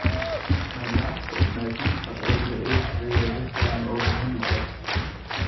Mijn laatste opmerking gaat over de eventuele richtlijn over handicaps.